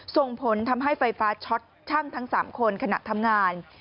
ส่งผลทำให้ไฟฟ้าช็อตช่างทั้ง๓คนขณะทำงาน